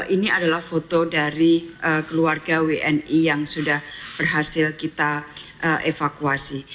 ini adalah foto dari keluarga wni yang sudah berhasil kita evakuasi